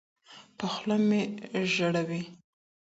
پـه خـولـه مي ژړوې